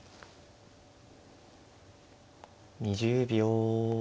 ２０秒。